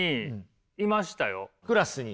クラスに？